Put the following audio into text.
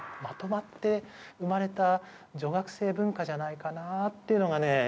まとまって生まれた女学生文化じゃないかなっていうのがね